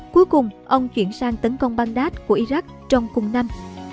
cuối cùng ông chuyển sang tấn công bangdad của iraq trong cùng năm